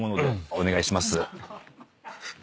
お願いします。